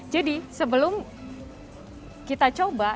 jadi sebelum kita coba